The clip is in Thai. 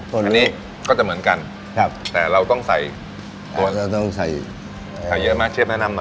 ตัวนี้ก็จะเหมือนกันแต่เราต้องใส่ตัวเราต้องใส่ใส่เยอะมากเชฟแนะนำหน่อย